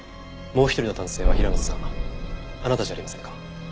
もう一人の男性は平松さんあなたじゃありませんか？